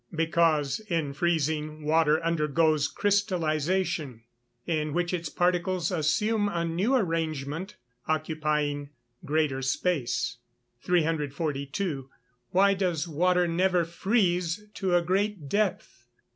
_ Because, in freezing, water undergoes crystallization, in which its particles assume a new arrangement occupying greater space. 342. _Why does water never freeze to a great depth?